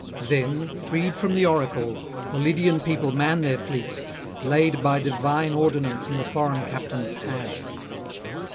Then, freed from the oracle, the Lydian people man their fleet, laid by divine ordinance in the foreign captain's hand.